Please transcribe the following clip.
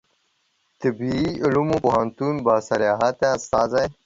طبي علومو پوهنتون باصلاحیته استازی